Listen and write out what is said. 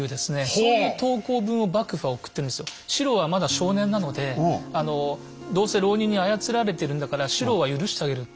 そういう投降文を四郎はまだ少年なのでどうせ牢人に操られてるんだから四郎は許してあげるっていう。